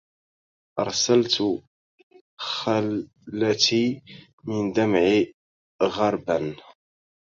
أرسلت خلتي من الدمع غربا